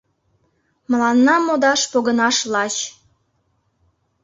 Мыланна модаш погынаш лач.